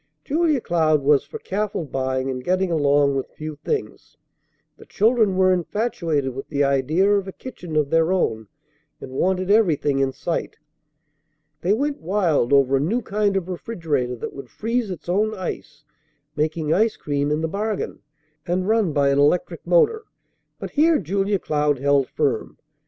Julia Cloud was for careful buying and getting along with few things; the children were infatuated with the idea of a kitchen of their own, and wanted everything in sight. They went wild over a new kind of refrigerator that would freeze its own ice, making ice cream in the bargain, and run by an electric motor; but here Julia Cloud held firm.